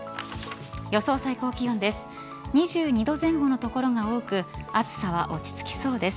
予想最高気温です。